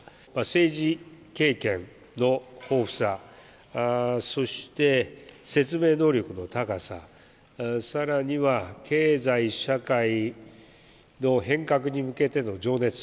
政治経験の豊富さそして、説明能力の高さ更には経済、社会の変革に向けての情熱